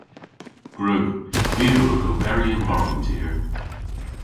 Gwrug. My a wrug oberi yn bargen tir.